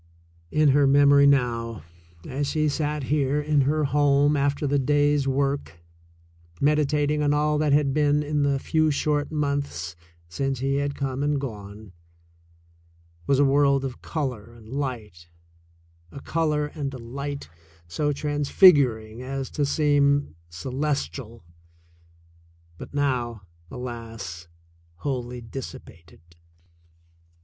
In her memory now, as she sat here in her home after the day's work, meditating on all that had been in the few short months since he had come and gone, was a world of color and light — a color and a light so THE SECOND CHOICE 137 transfiguring as to seem celestial, but now, alas, wholly dissipated.